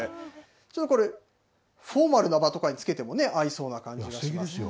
ちょっとこれ、フォーマルな場とかでつけてもね、合いそうな感じがしますよ。